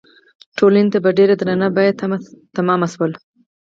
ټولنې ته په ډېره درنه بیه تمام شول.